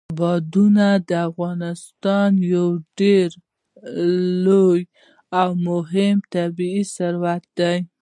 بادام د افغانستان یو ډېر لوی او مهم طبعي ثروت دی.